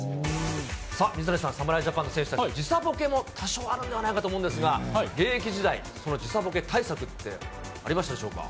さあ、水谷さん、侍ジャパンの選手たち、時差ボケも多少あるんではないかと思うんですが、現役時代、その時差ボケ対策ってありましたか？